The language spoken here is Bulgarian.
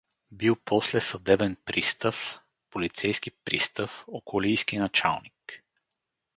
Бил после съдебен пристав, полицейски пристав, околийски началник.